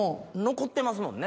残ってますもんね。